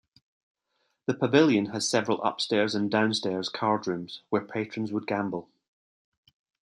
The Pavilion had several upstairs and downstairs card rooms where patrons would gamble.